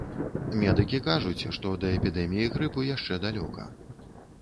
Медыкі кажуць, што да эпідэміі грыпу яшчэ далёка.